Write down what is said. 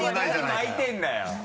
何巻いてんだよ！